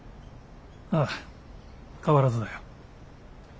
ああ変わらずだよ。